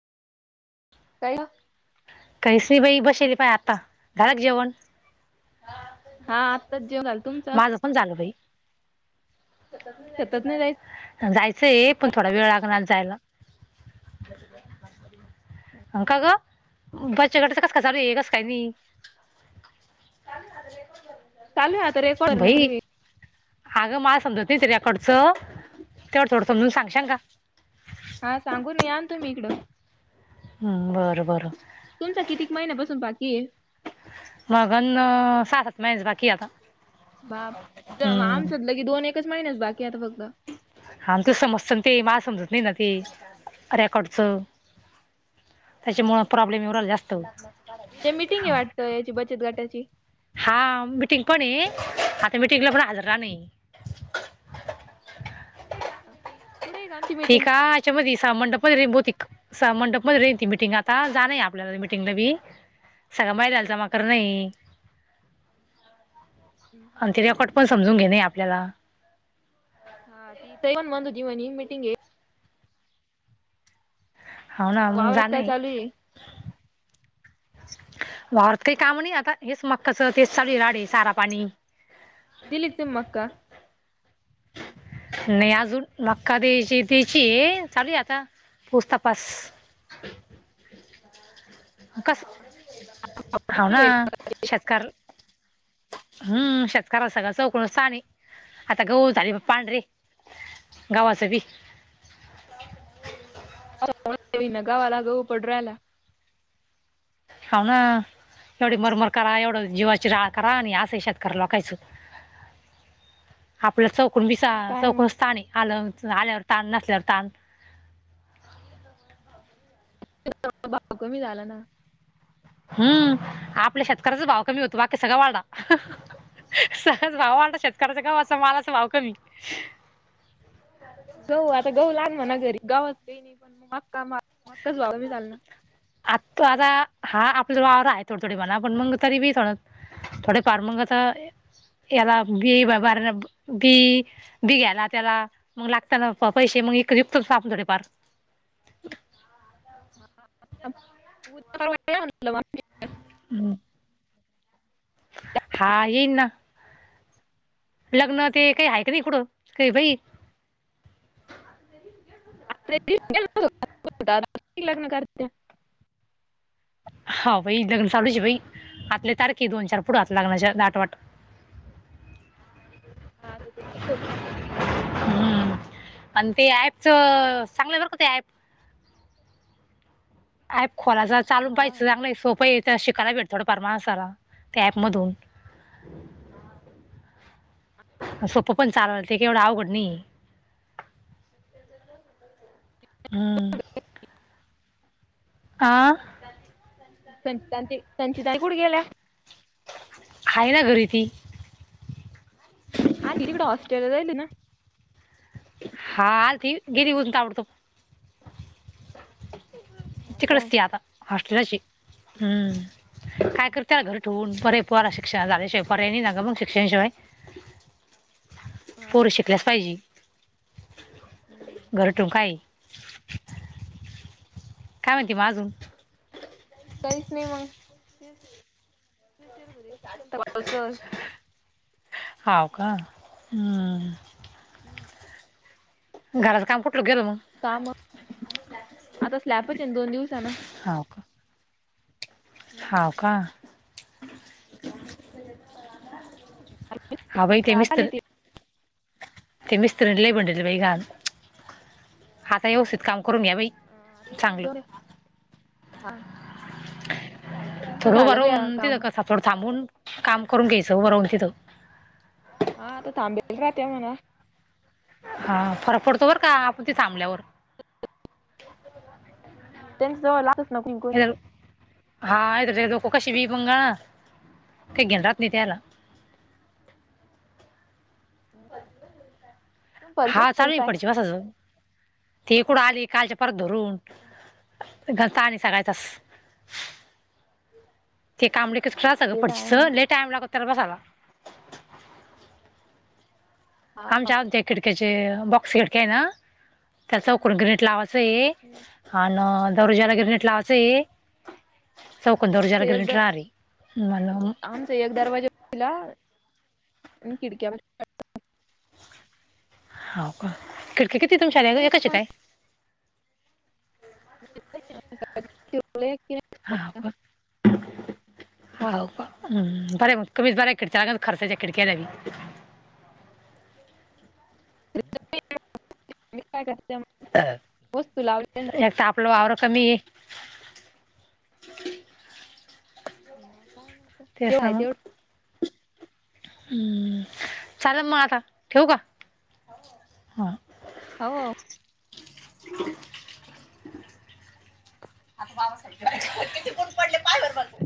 [unintelligible] काय गं? काहीस बाई, बसेली पाय, आता झालं कां जेवण? हा, आत्ताच जेवण झाल तुमचा. जेवण झालं, बाई. शेतात नाही जायचं जायचंय पण. थोडा वेळ लागणार जायला. अं, का गं? बचत गटाचं कसं काय चालू आहे? कसं काय नाही? चालू आहे आता, रेफरं चालु बाई आहे. अगं मला समजत नाही तेच्याकडचं, तेवढं थोडं समजून सांगशीण का? हा सांगूना, या ना तुम्ही इकडं. हा.. बरं बरं तुमचा कितीक महिन्यापासून बाकी आहे? मगन साहा-सात महिन्यांचा बाकी आहे आता. बा... हम्म आमच्यातलं की दोन एकच महिन्याच बाकी आता फक्त आमच च समजतन ते, माला समजत नाही ना ते रेकॉर्डच त्याच्यामुळे प्रॉब्लेम येवू रायला जास्त उद्या मिीटिंग आहे हा वाटतं, याची बचत गटाची हा मिटिंग पण आहे, आता मिटिंगला पण हजरा नाही कुड ग ठीक आहे त्या मधे मंडप रे मंडपमध्ये रेन ती मिटिंग आता जाण आपल्याला मिटिंगला बी सगळ माहितलचा माकर नाही. आणि ते हा रेकॉट पण समजून घेणे आपल्याला ह ती तयवण बंद जीवनी मीटिंगे हो ना मग वावरात जाणे काय चालू आहे वावरात काही काम नाही आता, हेच मक्काच तेच चालूल राडे सारा पाणी दिलीत का मका? नाही अजून मक्का द्यायची द्यायची ये, चालू आहे आता पुस तपास कस? हो ना शेतकार हम्म शेतकार सगळं चौकळ साणी, आता गऊ झाली पांढरीे गावाच भी गवाला गऊ पडू रायला हाव ना एवढी मरमर करा एवढं जीवाची राळ करा आणि असं आहे शेतकरी लोकायचं. [inaudible] आपलं चौकून बसा, काय मग चौकूनच ताण आहे, आलं आल्यावर ताण नसल्यावर ताण भाव कमी झाला ना हम्म.. आपल्या शेतकऱ्याचा भाव कमी होतो, बाकी सगळं वाढा सहज भाव वाढत, शेतकऱ्याच गावाच मालाचा भाव कमी गहू आता गहू लाग म्हणा घरी, गावात काही नाही पण मग मक्का मक्काच [inaudible] आत् तो आता हा आपला वावर आहे थोड थोडी म्हणा पण मग तरी बी ण थोडे पार मग तर याला [inaudible] बार बी बी घ्यायला त्याला मग लागत ना पैसे, मग इ जिकतो आपण थोडे फार [inaudible] हम हा येईन ना लग्न ते काही आहे का नाही, कूठ? काही बाई [inaudible] लग्न करते हो बाई लग्न चालूच आहे बाई, आपले तारखे दोन- चार पुढे असनार लग्नाच्या दाटवाट [inaudible] हा तती आंम्ही होत. अन ते ऍपच चांगलं करत काय एप... अ खोला चालून हा पाहियं चांगला सोपय शिकाला भेटत थोडा फार मानसाला त्या ऍप मधून सोपं पण चालवल ते केवढं अवघड नाहीये. हम्म. आ? संच संचिताई कुठे गेल्या? आहे ना घरी ती. आली तिकड हस्टेललाल जायेल आहे ना. हा हा गेली [unintelligible] ताबोड तोफ तिकडच ती आता हॉस्टेलच हम्म, हा काय करतेला घर तोन परेपर पोराचे शिक्षसा जा सय पारय नि नागं बं शिक्षया नि श सवाय. हा पोर शिकल्यास फाई हम्म, घर ठेऊन काय आहे. काय म्हणती म आजुन? काहीच नाई मंग तेच विचारत हुते [unintelligible] सहज हाव का हम्म. हम्म.. घरात कम्प्युटर घेऊन मग. काम म्हणुन आता स्लॅपच हेना दोन दिवसान हौ का [unintelligible] [inaudible] हा बाई तर आता आली केमिस्टर ती ते मिस्त्रन लय [unintelligible] जंलय घाण आता व्यवस्थित काम करून घ्या बाई चांगलं. [unintelligible] ह थोडं उभा बया राऊन काम [unintelligible] थांबून काम करून घ्यायचं उभं राहून तिथं. हा आता थांबेल राहते म्हणा. हा फरक पडतो बरं का आपण ते थांबल्यावर. त्या लालच नको ओ नाहीतर हा [unintelligible] लोक कशी बी वंगाळ [unintelligible] त्याला तुम परिचय हा होईल चालूय आहे ना काय पुढच्या वेळेस अजून. ते कुडं आली कालच्या परत धरून. धर तान आहे सगळा तसा ते कामळे लय किच हा ते तर [unintelligible] आहे म्हणा सगळ [unintelligible] लय टाईम लागत तर बसायला हा आमच्या, आमच्या खिडक्याचे बॉक्स खिडक्या आहे ना त्याचा चौकोनी उकडून ग्रेट लावा नाही आण दरवाजला गिरणीट लावायचय. चौकोन दरवाजाला ग्रेनेट राहिले, म्हणून आमचा एक दरवाज ला खिडक्या हाव का खिडकी किती [unintelligible] एकच हाय काय? [inaudible] [unintelligible] हा हा. हाव का हम्म, बर आहे मग तुम्ही बऱ्या खिडक खर्चाच्या खिडक्याला [unintelligible] तुम्ही काय करताय मग [unintelligible] अ एक [unintelligible] आपल वावर कमी आहे. म्या काय म्हटलं? तेच जेवढं ना हाय मग तेवढं हम्म, चालल मग आता ठेवू का. हा. हाव. [inaudible] आता बाबा चुकुन पडले पायवर बघ.